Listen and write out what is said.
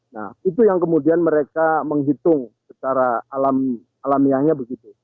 nah itu yang kemudian mereka menghitung secara alamiahnya begitu